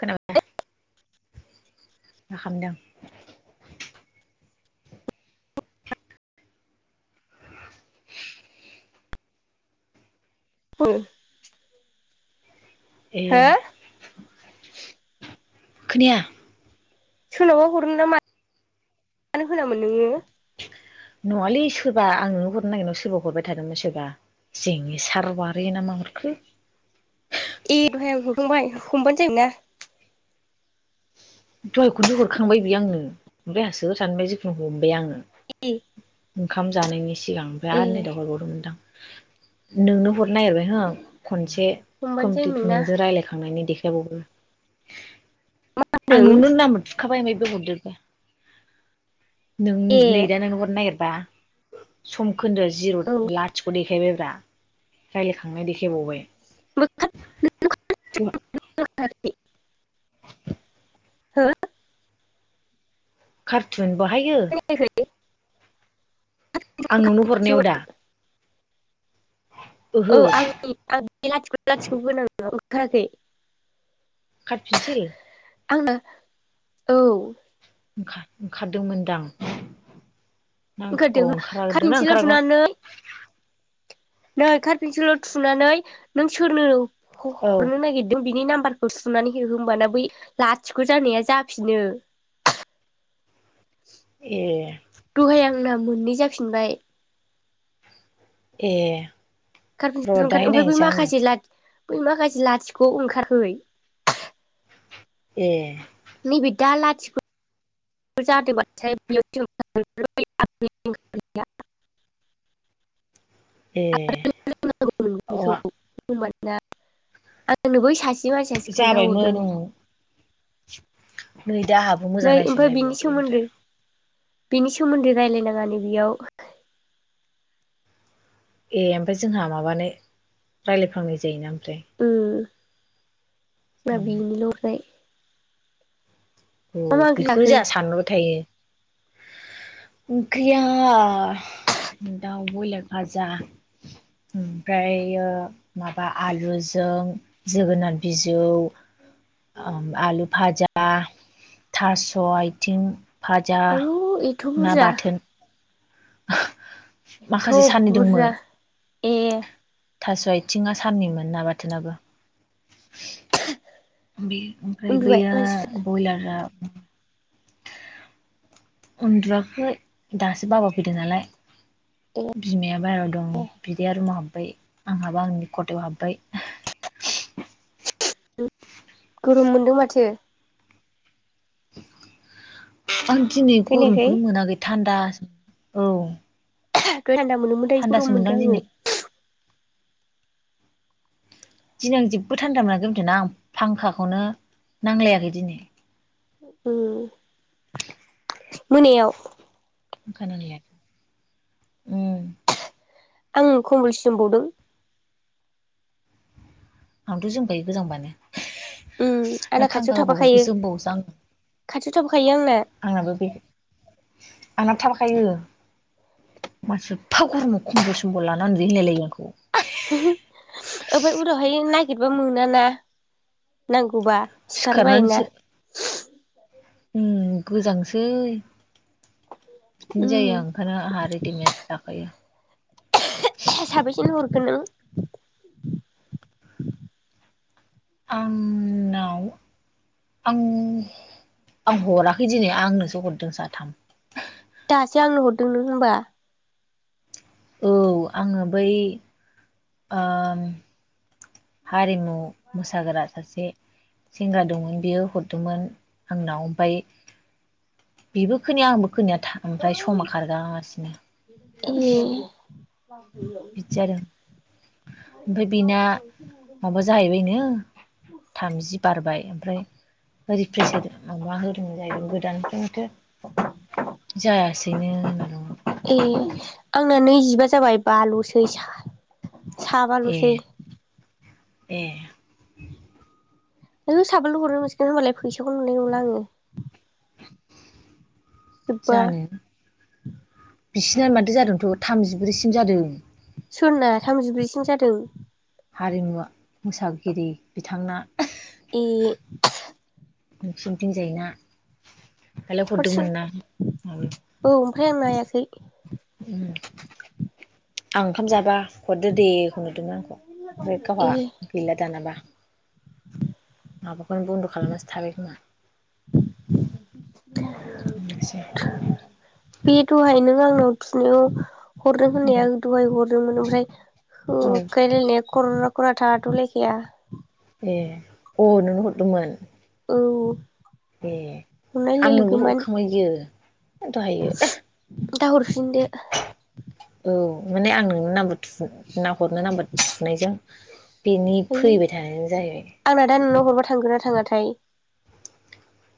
खोनाबाय मा खामदों? औ। ए। खोनाया? सोरनावबा हरनो ना मा [unintelligible] होनामोन नोङो? नङालै सोरबा आं नोंनो हरनो नागिरनायाव सोरबा हरबाय थादोंमोन सोरबा। जेंसार अवारि ना मा हरखो? ए दहाय आं हरखांबाय हमबानो जायोमोन ना। दहाय खनसे हरखांबाय बियो आंनो, ओमफ्राय आंहा सोर सानबाय जिखुनु हमबाय आङो। [unintelligible] ओंखाम जानायनि सिगां ओमफ्राय ए आरो नै दा हरबावदोंमोनदां, नोंनो हरनो नागिरबाय ओहो खनसे हमबानो कमप्लिट जायोमोन ना नोंजो रायलायखांनायनि देखायबावो आं होनदों नोंनो नाम्बार थुखाबाय, ओमफाय बे हरदेरबाय। नों ए नै दा नोंनो हरनो नागिरबा सम खोन्दो औ जिरथ लाथिख ख' देखायबायब्रा रायलायखांनाय देखायबावबाय। [unintelligible] कार्टुन बाहायो [unintelligible] आं नुंनो हरनायाव दा? ओहो [unintelligible] कातपेन्सिल आंनो ओंखा-ओंखारदोंमोनदां। ओंखारदो खाथपिनसिलाव ओंखाराखैमोन थुनानै नै कातपेेनसिलाव थुनानै नों सोरनो औ ह-हरनो नागिरदों बिनि नाम्बार खौ थुनानै हो होनबाना बै लाथिख जानाया जाफिनो। ए दहाय आंना मोननै जाफिनबाय। ए कारफिनसिल र' ओंखार दाहाय ओमफाय बै नायनोसै आङो माखासे लाथ बै माखासे लाथिख' ओंखारखै। ए नैबे दा लाथिख' [unintelligible] ए बेखौ अआ होमबाना आंनो बै सासे मानसियासो जाबायमोन खोन्थाहरदों। ओं नै दा हाब नै ओमफाय बिनि सोमोन्दै बिनि सोमोन्दै रायलायनाङा नो बेयाव। ए ओमफाय जोंहा माबानो रायलायफ्लांनाय जायोना ओमफ्राय। ओम जोंहा बिनिल ओमफ्राय मा मा उम ओंख्रि बेखौनो जाखो जोंहा सानबाय थायो। ओंखैया दाव बयलार फाजा। ओमफ्रायो माबा आलुजों जोगोनार बिजौ आलु फाजा थास' आयथिं। आयु एथ' बुरजा? माखासे एथ' साननै दंमोन बुरजा ए। थास' आयथिंआ साननिमोन ना बाथोनाबो। बे ओमफ्राय उन्दुबाय बैया मानसिफ्रा बयलारा उन्दुयाखै दासो बाबा फैदों नालाय। ए बिमाया बाहेरायाव दं बिदाया रुमाव हाबबाय आंहाबो आंनि खथायाव हाब्बाय। गोरोम मोनदों माथो। आं दिनै खोनायाखै गरमखौनो मोनाखै थान्दासो औ दहाय थान्दा मोनदोंमोन दाय थान्दासो गरम मोनदां मोनदों आङो। दिनै दिनै आं जेबो थान्दा [unintelligible] आं फांखाखौनो नांलायाखै दिनै ओं [inaudible] मोनायाव खानांनाया उम आं कमबलसो जोमबावदों। आंथ' जोमखायो गोजांबानो उम आंना ना खाथियाव फांखा थाफाखायो होबाबो जोमबावोसो आं। खाथियाव थाफाखायो आंना। आंनाबो बे आंनाबो थाफाखायो। मासि एफा गरमाव खमबल समबल लानानै उनदुयो होनलायलायो आंखौ। ओमफाय उनावहाय नागिरबा मोनाना नांगौबा सिखारबायोना सिखारनानैसो उम गोजांसै बिदिनो उम जायो आं ओंखायनो आंहा रेडिमेड लाखायो। साबेसेन हरखो नों? आंनाव आं आं हराखै दिनै आंनोसो हरदों साथाम। दासो आंनो हरदों नों होमबा औ आङो बै ओम हारिमु मोसाग्रा सासे सेंग्रा दंमोन बियो हरदोंमोन आंनाव फाय बेबो खोनाया आंबो खोनाया था ओमफ्राय समा खारगासिनो ए बिदि जादों ओमफाय बेना माबा जाहैबायनो थामजि बारबाय ओमफ्राय रिप्रेस हो माबा होदोंमोन जाहैगोन गोदाननिफ्रायनोथ' [inaudible] जायासैनो होनना दंमोन। ए आंना नैजिबा जाबाय बाल'सै ए साबाल'सै। ए आयौ साबानैल' हरनो नोसिनो होनोमबालाय फैसाखौ नुनाय नुला आङो जोब्बा जानो बिसिना माथो जादोंथ' थामजिब्रैसिम जादों। सोरना थामजिब्रैसिम जादों? हारिमुवा मोसा गिरि बिथांना ए नोंसिनथिं जायना लायराय हरदोंमोन ना माबो औ ओमफ्राय आं नायाखै आं ओंखाम जाबा हरदो दे होनहरदोंमोन आंखौ फ्राय गावहा ए गैला दानाबा। माबाखौनो बनद' खालामनासो थाबाय खोमा। [inaudible] बे दहाय नों आंनाव थुनायाव हरदों होननाया दहाय हरदोंमोन ओमफ्राय औ होखायो रायलायनाया खरा खरा थाद लायखाया ए अ नोंनो हरदोंमोन। ओं ए आंनोबो हदखांबाय बियो दहायो। दा हरफिनदो। औ माने आं नोंनो नाम थु नाहरनो नांबा थुनायजों बेनि आयौ फैबाय थानायजों जाहैबाय। आंना दा नोंनाव हरबा थांगोना थाङाथाय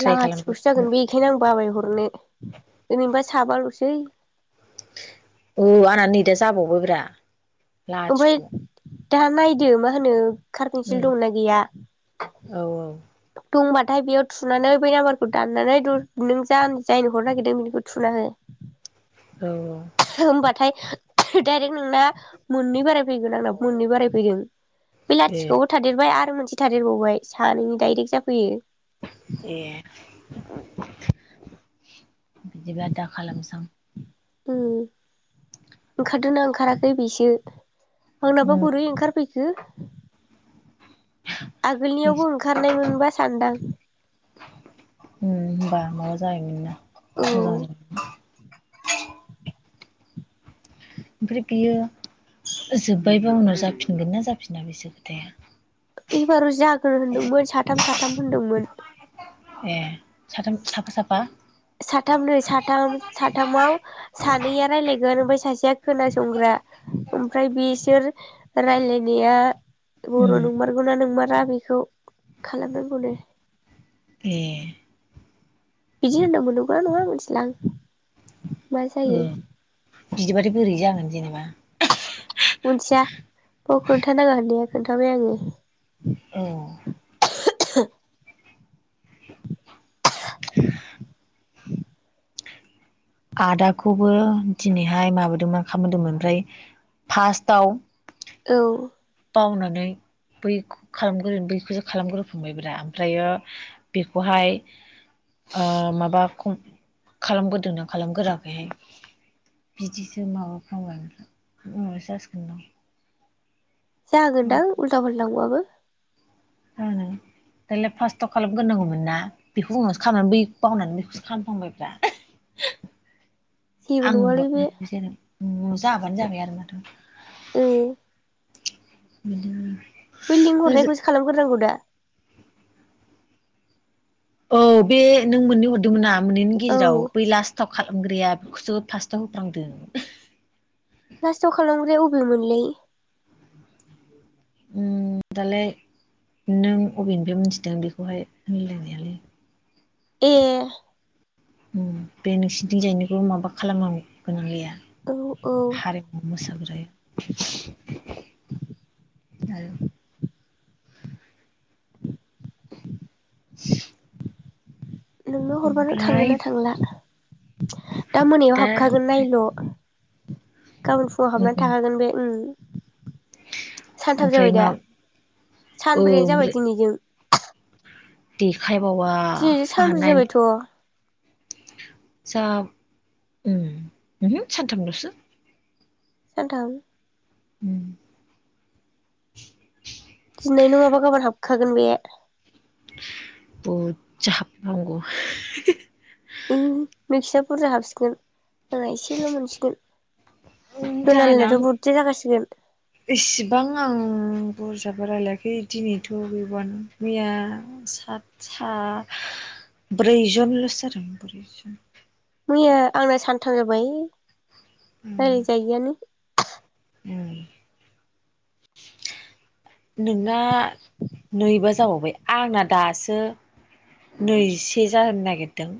ट्राइ खालामबाय लाथिख'सो जागोन बे थोर आं बाबाय हरनो ओरैनोबा साबाल'सै। औ आंना नै दा जाबावबो ब्रा। ओमफाय दा नायदो मा होनो कारपेन्सिल उम दंना गैया? औ औ दंबाथाय बेयाव थुनानै बै नाम्बारखौ दाननानै द नों जा-जायनो हरनो नागिरदों बेनिखौ थुनानै हो। ओ होमबाथाय डाइरेक्ट नोंना मोननै बाराय फैदों आंना मोननै बाराय फैदों। बे ए लाथिखबो थादेरबाय आरो मोनसे थादेरबावबाय सानैनि दडाइरेक्ट जाफैयो। ए बिदिबा दा खालामसां। ओं ओंखारदोंना ओंखाराखै बेसो आंनाबा उम बोरै ओंखारफैखो। खो उम आगोलनियावबो ओंखारनाय मोनबा सानदां। ओ होनबा माबा जायोमोनना औ मोजां जाय ओमफ्राय बियो जोब्बायबा उनाव जाफिनगोन ना जाफिना बेसो खोथाया। एबार' जाग्रो होनदोंमोन साथाम साथाम होनदोंमोन। ए साथाम साफा साफा? साथामनै साथाम साथामाव सानैया राय्लायगोन ओमफ्राय सासेया खोनासंग्रा ओमफ्राय बिसोर रायलायनाया बर' उम नंमारगौना नोंमारा बेखौ खालामनांगौनो। ए बिदि होन्दोंमोन नंगौना नङा मोनथिला आं। मा उ जायो बिदिबाथाय बोरै जागोन जेनेबा। मोनथिया खोन्थानाङा होननाया खोन्थाबाय आङो। अ आदाखौबो दिनैहाय माबादोंमोन खामदोंमोन ओमफ्राय फार्स्टआव औ बावनानै बैखौ खालामग्रो बैखौसो खालामग्रो फांबायब्रा ओमफ्रायो बेखौहाय ओ माबा खालामगोरदोंना खालामगोराखै बिदिसो माबा बुङो उनावसो जासिगोन दां। जागोनदां उल्था फाल्टांबाबो। ओम दालाय फार्स्टआव खालामग्रनांगौमोन ना बेखौ उनावसो खालामबाय बेखौ बावनानै बेखौसो खालामफांबायब्रा। जेबो आं नङालै बे नहरनाय ज न जाबानो जाबाय आरो माथो। ओ बि बै लिं हरनायखौसो खालामग्रोनांगौ दा। औ बे नों मोननै हरदोंमोनना मोननैनि औ गेजेराव बै लास्ट। स्थाव खालामग्राया बेखौसो फास्टआव होफ्रांदों। फासथाव' खालामग्राया अबेमोनलै? ओ दालाय नों अबेनिफ्राय मिथिदों बेखौहाय होनलायनायालै। ए ओम बे नोंसिनिथिं जायनिखौ माबा खालामनो गोनां गैया? औ औ। हारिमु मोसाग्राया आरो स नोंनो हरबानो थांगोन ना थांला दा मोनायाव हाबखागोन नायल। गाबोन फुङाव हाबनानै उम थागोन बे उ। सानथाम ओमफ्राय जाबाय दा मा औ सानब्रैयानो जाबाय ओमफ्राय दिनैजों। देखायबावा दिनैजों आंहा सानब्रै नायनो जाबायथ' जाब उम ओहो सानथामल'सो। सानथाम? उम। दिनै नङाबा गाबोन हाबखागोन बे। बुरजा हाबबा हामगौ। उम नोंसिना बुरजा हाबसिगोन, आंहा एसेल' मोनसिगोन। जनालिनाथ' बुरजा जाखासिगोन। इसेबां आं बुरजाबो रायलायाखै दिनैथ' गैबावानो मैया सात सा ब्रै जोनल'सो जादों ब्रै जोन। मैया आंना सानथाम जाबाय रायलाय जायैयानो। ओम। नोंना नैबा जाबावबाय आंना दासो नैजिसे जानो नागिरदों।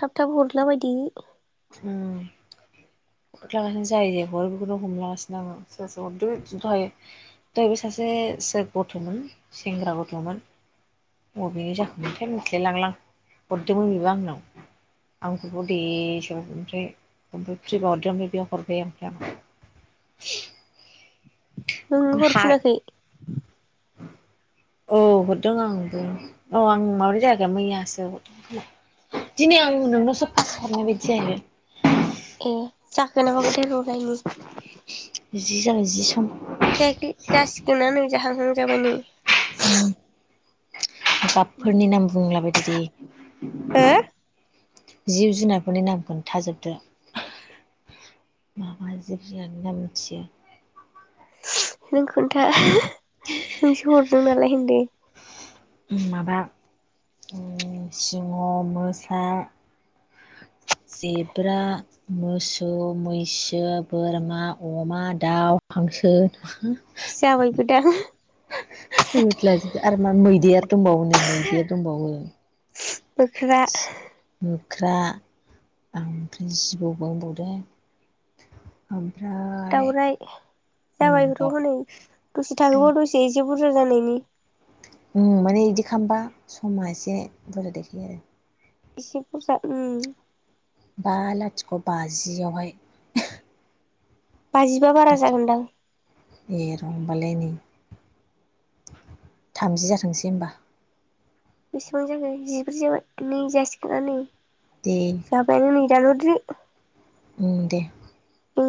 थाब थाब हरला बायदो। उम। हरलागासिनो जाय जाय हरो बेखौनो हमलागासिनो आङो सोर सोर हरदो दहाय दहायबो सासे सोर गथ'मोन सेंग्रा गथ'मोन। अबेनि जाखोमोनथाय ओमफ्राय मिथिलाय लांला आं हरदोंमोन बेबो आंनाव। आं ग्रुपआव दे सो ओमफ्राय फ्रि बा हरदो ओमफ्राय बेयाव हरबाय ओमफ्राय आंनाव। नों ओम हा हरफिनाखै औ हरदों आंबो, औ आं माबोरै जाया मैयासो हरदोंमोन खोमा। दिनै आं नोंनोसो पार्स्त हरनाय बायदि जाहैबाय। ए जाखोना माखोथाय र' नायनि। जि जाबाय जि सम। जायखै जासिगोनानो जाहांहां जाबाय नै। उम। गाबफोरनि नाम बुंला बायदो दे। हो जिब जुनारफोरनि नाम खोनथाजोबदो। मा मा जिब जुनारफोरनि नाम मिथियो। नों खोन्था, नोंसो हरदों नालाय होनदो। उम माबा सिंह, मोसा जेब्रा मोसौ, मैसो, बोरमा, अमा, दाउ, हांसो जाबायबो दां। होदला जोब्बाय आरो मा मैदेर दंबावो नै मैदेर दंबावो। मोख्रा। मोख्रा ओमफ्राय जिबौ बावबावदों। ओमफ्राय दाउराय जाबायबोथ' हनै। दसे थाहोबाव दसे एसे बुरजा जानायनि। उम माने इदि खालामबा समा एसे बुरजा देखायो आरो। एसे बुरजा उम। बा लाथिख' बाजियावहाय। बाजिबा बारा दानसै जागोनदां? ए र' होमबालाय नै थामजि जाथोंसै होमबा। बेसेबां जाखो जिब्रै जाबाय नै जासिगोना नो दे जाबायनो नै जामुट्रि अम दे अम